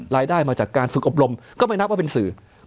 มาจากการฝึกอบรมก็ไม่นับว่าเป็นสื่อ